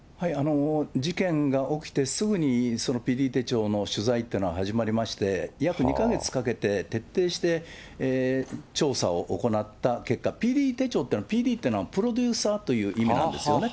事件が起きてすぐに、そのＰＤ手帳の取材というのは始まりまして、約２か月かけて徹底して調査を行った結果、ＰＤ手帳というのは、ＰＤというのはプロデューサーという意味なんですよね。